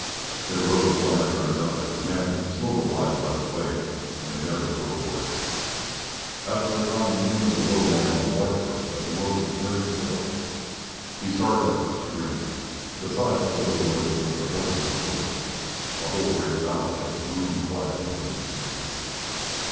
They rode one after another, the man with the silver bridle led the way, and they spoke never a word. After a time it came to the little man on the white horse that the world was very still. He started out of his dream. Besides the little noises of their horses and equipment, the whole great valley kept the brooding quiet of a painted scene.